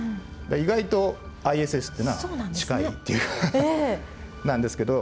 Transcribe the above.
意外とＩＳＳっていうのは近いっていうかなんですけど。